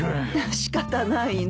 仕方ないね。